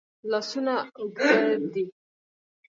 لاسونه اوږد دي.